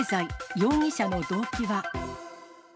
容疑者の動機は？